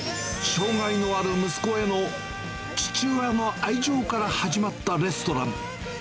障がいのある息子への父親の愛情から始まったレストラン。